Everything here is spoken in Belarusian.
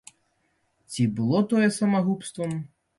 Ці было тое самагубствам?